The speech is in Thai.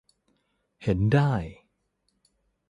เห็นได้